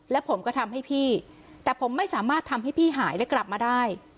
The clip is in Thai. และผมก็ทำให้พี่แต่ผมไม่สามารถทำให้พี่หายและกลับมาได้